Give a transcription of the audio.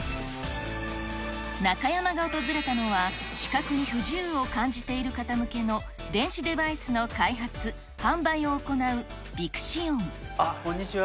中山が訪れたのは、視覚に不自由を感じている方向けの電子デバイスの開発、こんにちは。